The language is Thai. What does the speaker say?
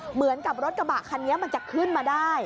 เหมือนกับรถกระบะคันนี้มันจะขึ้นมาได้